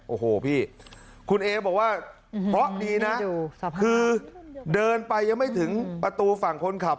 โอ้โหพี่คุณเอบอกว่าเพราะดีนะคือเดินไปยังไม่ถึงประตูฝั่งคนขับ